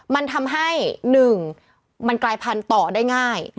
มันทำให้๑มันกลายพันธุ์ต่อได้ง่าย